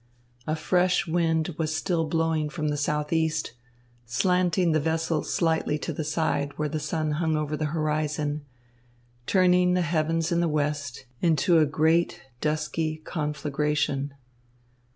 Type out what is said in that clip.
A fresh wind was still blowing from the southeast, slanting the vessel slightly to the side where the sun hung over the horizon, turning the heavens in the west into a great, dusky conflagration.